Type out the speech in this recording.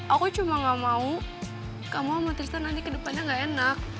aku cuma nggak mau kamu sama tristan nanti ke depannya nggak enak